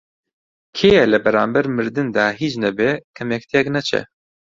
کێیە لە بەرانبەر مردندا هیچ نەبێ کەمێک تێک نەچێ؟